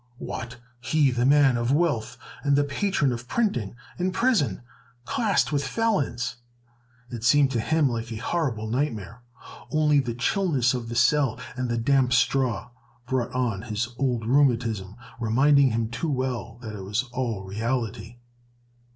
What! he, the man of wealth and the patron of printing, in prison, classed with felons! It seemed to him like a horrible nightmare, only the chilliness of the cell and the damp straw brought on his old rheumatism, reminding him too well that it was all reality.